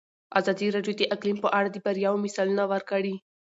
ازادي راډیو د اقلیم په اړه د بریاوو مثالونه ورکړي.